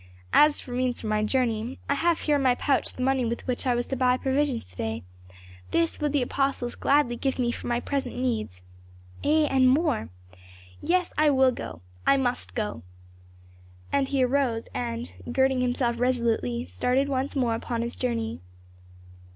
As for means for my journey, I have here in my pouch the money with which I was to buy provisions to day, this would the apostles gladly give me for my present needs ay, and more. Yes, I will go I must go." And he arose and girding himself resolutely, started once more upon his journey.